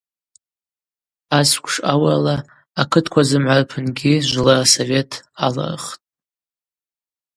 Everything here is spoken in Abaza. Асквш аурала акытква зымгӏва рпынгьи жвлара совет алырхтӏ.